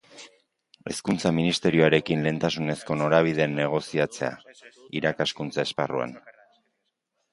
Hezkuntza Ministerioarekin lehentasunezko norabideen negoziatzea, irakaskuntza esparruan.